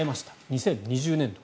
２０２０年度。